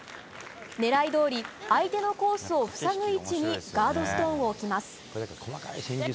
狙いどおり相手のコースを塞ぐ位置にガードストーンを置きます。